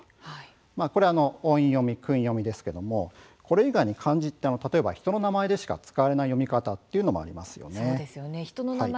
これは音読み訓読みですけれどもこれ以外にも人の名前でしか使われない読み方などもありますよね。